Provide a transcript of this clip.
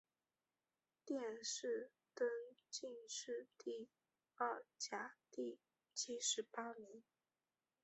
殿试登进士第二甲第七十八名。